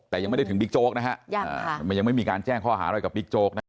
แต่ยังไม่ได้ถึงบิ๊กโจ๊กนะฮะมันยังไม่มีการแจ้งข้อหาอะไรกับบิ๊กโจ๊กนะฮะ